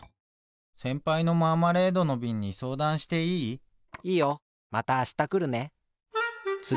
せんぱいのマーマレードのびんにそうだんしていい？いいよ。またあしたくるね。